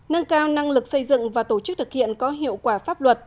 nâng cao năng lực xây dựng và tổ chức thực hiện có hiệu quả pháp luật